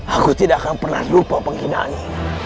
aku tidak akan pernah lupa penghinaan ini